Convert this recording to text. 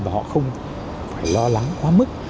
và họ không phải lo lắng quá mức